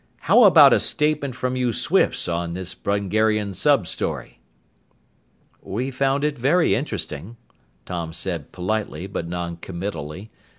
"How about a statement from you Swifts on this Brungarian sub story?" "We found it very interesting," Tom said politely but noncommittally.